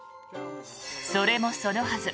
それもそのはず